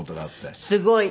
すごい。